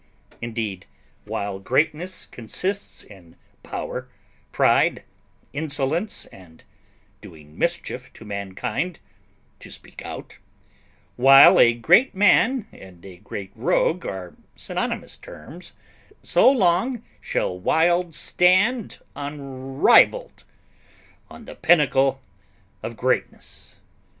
Indeed, while greatness consists in power, pride, insolence, and doing mischief to mankind to speak out while a great man and a great rogue are synonymous terms, so long shall Wild stand unrivalled on the pinnacle of GREATNESS.